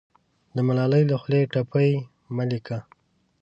د ملالۍ له خولې ټپې مه لیکه